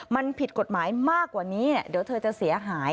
มันผิดกฎหมายมากกว่านี้เดี๋ยวเธอจะเสียหาย